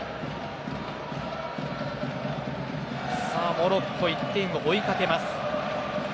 モロッコ、１点を追いかけます。